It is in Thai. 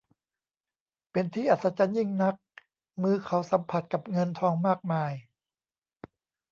เป็นที่อัศจรรย์ยิ่งนัก มือเขาสัมผัสกับเงินทองมากมาย